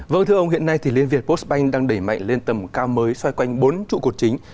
vâng thưa ông hiện nay thì liên việt postbank đang đẩy mạnh lên tầm cao mới xoay quanh bốn trụ cột chính